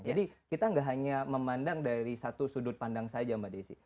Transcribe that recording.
jadi kita tidak hanya memandang dari satu sudut pandang saja mbak desi